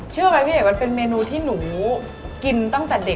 เชื่อไหมพี่เอกมันเป็นเมนูที่หนูกินตั้งแต่เด็ก